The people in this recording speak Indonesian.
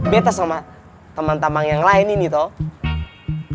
betta sama teman teman yang lain ini toh